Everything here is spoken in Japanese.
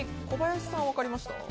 小林さん分かりました？